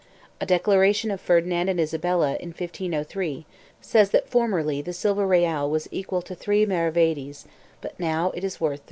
A declaration of Ferdinand and Isabella in 1503 says that formerly the silver real was equal to 3 maravedis, but now it is worth 34.